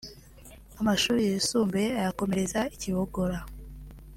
amashuri yisumbuye ayakomereza i Kibogora